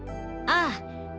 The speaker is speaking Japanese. ああ。